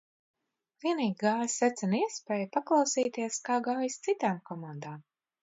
Vienīgi gāja secen iespēja paklausīties, kā gājis citām komandām.